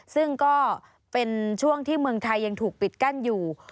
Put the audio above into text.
ซึ่งก็เป็นช่วงที่เมืองไทยยังถูกปิดกั้นอยู่